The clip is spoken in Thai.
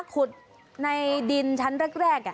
ขุดในดินชั้นแรก